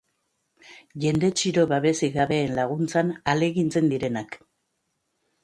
Jende txiro babesik gabeen laguntzan ahalegintzen direnak.